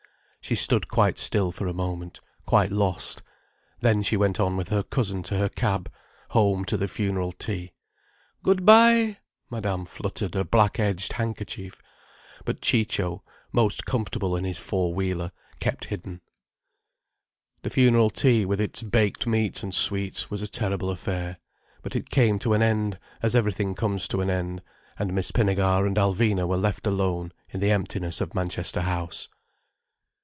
She stood quite still for a moment, quite lost. Then she went on with her cousin to her cab, home to the funeral tea. "Good bye!" Madame fluttered a black edged handkerchief. But Ciccio, most uncomfortable in his four wheeler, kept hidden. The funeral tea, with its baked meats and sweets, was a terrible affair. But it came to an end, as everything comes to an end, and Miss Pinnegar and Alvina were left alone in the emptiness of Manchester House.